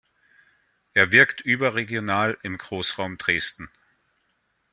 Er wirkt überregional im Großraum Dresden.